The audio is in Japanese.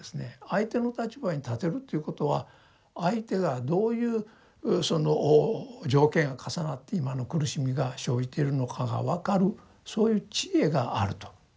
相手の立場に立てるということは相手がどういうその条件が重なって今の苦しみが生じているのかが分かるそういう智慧があると。